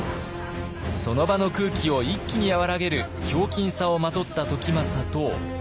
その場の空気を一気に和らげるひょうきんさをまとった時政と。